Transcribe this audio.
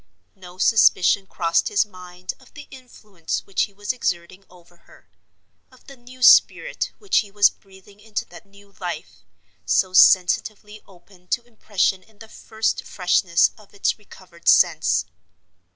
No suspicion crossed his mind of the influence which he was exerting over her—of the new spirit which he was breathing into that new life, so sensitively open to impression in the first freshness of its recovered sense.